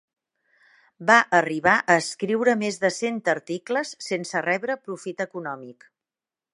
Va arribar a escriure més de cent articles, sense rebre profit econòmic.